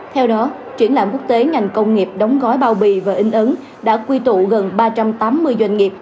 theo đó triển lãm quốc tế ngành công nghiệp đóng gói bao bì và in ấn đã quy tụ gần ba trăm tám mươi doanh nghiệp